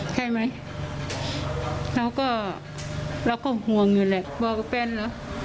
ใช่ไหมเราก็เราก็ห่วงอยู่แหละบอกกับแฟนเหรอ